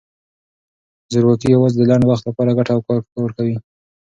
زورواکي یوازې د لنډ وخت لپاره ګټه او کار ورکوي.